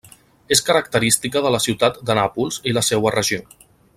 És característica de la ciutat de Nàpols i la seua regió.